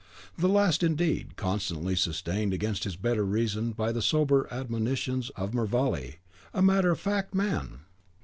The last, indeed, constantly sustained against his better reason by the sober admonitions of Mervale, a matter of fact man!